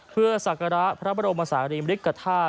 เพื่อสากราบพระบรมศาลีบริษฐา